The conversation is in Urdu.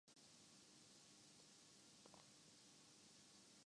بال ٹمپرنگ کیس سٹریلوی کرکٹرز نے سزائیں قبول کر لیں